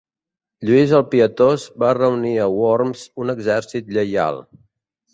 Lluís el Pietós va reunir a Worms un exèrcit lleial.